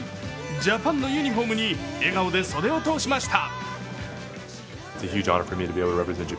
ジャパンのユニフォームに笑顔で袖を通しました。